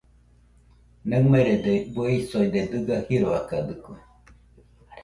Naɨmerede bueisoide dɨga jiroakadɨkue.